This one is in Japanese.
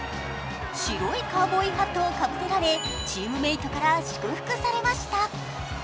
白いカウボーイハットをかぶせられ、チームメートから祝福されました。